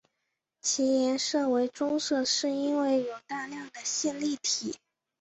其颜色为棕色是因为有大量的线粒体。